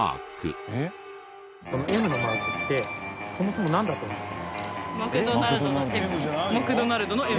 この「Ｍ」のマークってそもそもなんだと思います？